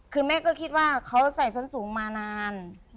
คือแม่ก็คิดว่าเขาใส่ส้นสูงมานาน